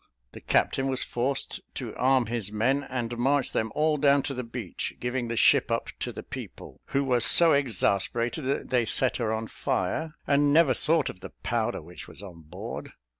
The captain was forced to arm his men, and march them all down to the beach, giving the ship up to the people, who were so exasperated that they set her on fire, and never thought of the powder which was on board.